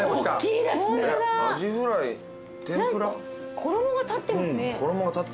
衣が立ってますね。